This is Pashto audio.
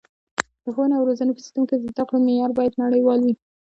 د ښوونې او روزنې په سیستم کې د زده کړو معیار باید نړیوال وي.